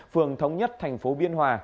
phường thống nhất thành phố biên hòa